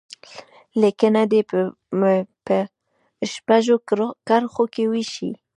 لیکنه دې په شپږو کرښو کې وشي.